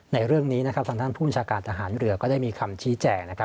ในเรื่องนี้ท่านผู้อาชารกาลทหารเรือก็ได้มีคำชี้แจก